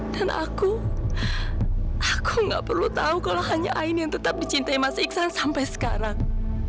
dan aku aku gak perlu tahu kalau hanya aini yang tetap dicintai mas iksan sampai sekarang